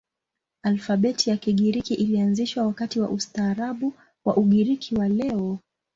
Alfabeti ya Kigiriki ilianzishwa wakati wa ustaarabu wa Ugiriki wa leo.